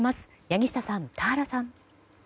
柳下さん、田原さん。